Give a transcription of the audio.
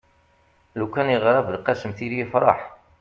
lukan yeɣra belqsem tili yefreḥ